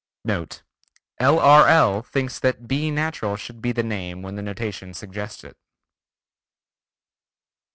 NOTE: L.R.L. thinks that B natural should be the name when the notation suggests it.